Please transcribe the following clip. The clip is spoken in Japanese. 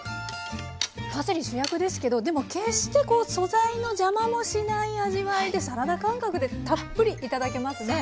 パセリ主役ですけどでも決して素材の邪魔もしない味わいでサラダ感覚でたっぷり頂けますね。